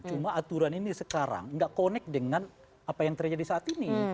cuma aturan ini sekarang nggak connect dengan apa yang terjadi saat ini